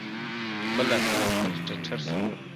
بل لاسونه پر ټتر سو